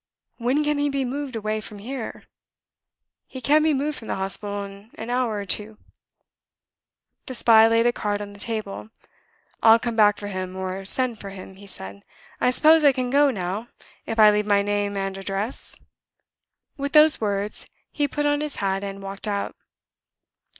"When can he be moved away from here?" "He can be moved from the hospital in an hour or two." The spy laid a card on the table. "I'll come back for him or send for him," he said. "I suppose I can go now, if I leave my name and address?" With those words, he put on his hat, and walked out.